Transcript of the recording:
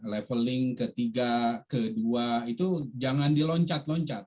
leveling ke tiga ke dua itu jangan diloncat loncat